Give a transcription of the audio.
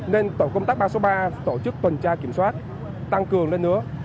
nên tổ công tác ba trăm sáu mươi ba tổ chức tuần tra kiểm soát tăng cường lên nữa